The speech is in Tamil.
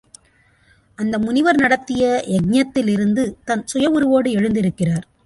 அந்த முனிவர் நடத்திய வக்ஞத்திலிருந்து தன் சுய உருவோடு எழுந்திருக்கிறார்.